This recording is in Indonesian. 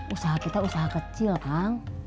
usaha kita usaha kecil kan